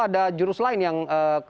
ada jurus lain yang kemudian ditangani